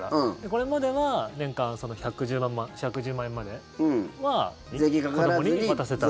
これまでは年間１１０万円までは子どもに渡せたという。